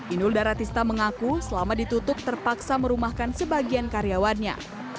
indulda ratista mengaku selama ditutup terpaksa merumahkan sebagian karyawannya